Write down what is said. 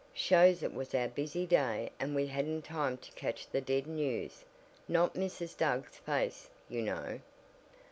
"Shows it was our busy day and we hadn't time to catch the dead news, not Mrs. Doug's face, you know."